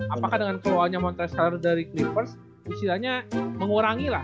apakah dengan keluhannya montrezl harrell dari clippers istilahnya mengurangi lah